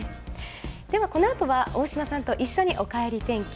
ではこのあとは大嶋さんと一緒におかえり天気。